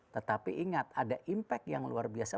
tetapi ingat ada impact yang luar biasa